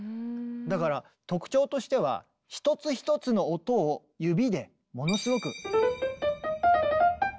だから特徴としては一つ一つの音を指でものすごく。